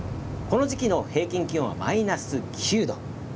この時期の平均気温はマイナス９度。